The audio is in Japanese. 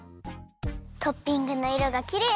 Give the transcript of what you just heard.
トッピングのいろがきれい！